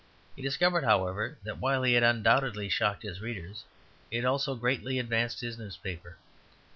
He discovered, however, that while he had undoubtedly shocked his readers, he had also greatly advanced his newspaper.